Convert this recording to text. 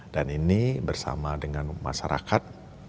dan ini bersama dengan masyarakat